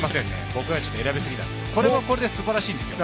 僕が選びすぎたんですね。